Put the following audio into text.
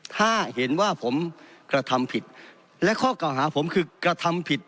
ถ้าเห็นว่าผมกระทำผิดและข้อเก่าหาผมคือกระทำผิด